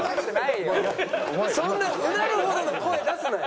そんなうなるほどの声出すなよ。